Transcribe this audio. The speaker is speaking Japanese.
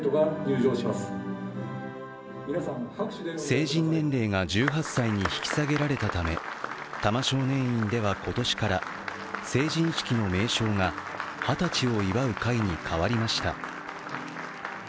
成人年齢が１８歳に引き下げられたため多摩少年院では今年から成人式の名称が二十歳を祝う会に変わりました。